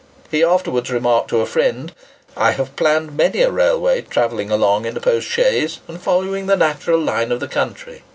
He afterwards remarked to a friend, "I have planned many a railway travelling along in a postchaise, and following the natural line of the country."